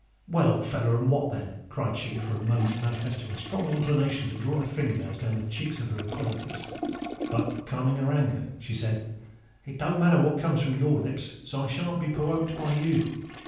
"Well, old feller—and what then?" cried she, for a moment manifesting a strong inclination to draw her finger nails down the cheeks of her acquaintance: but, calming her anger, she said, "It don't matter what comes from your lips—so I shan't be perwoked by you.